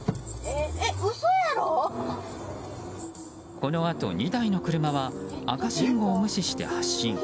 このあと２台の車は赤信号を無視して発進。